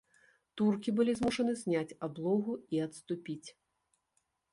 Туркі былі змушаны зняць аблогу і адступіць.